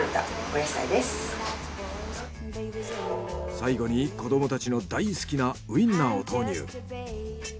最後に子どもたちの大好きなウインナーを投入。